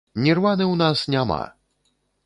Нірваны ў нас няма!